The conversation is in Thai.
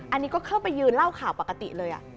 อันนี้ก็เข้าไปยืนเล่าข่าวปกติเลย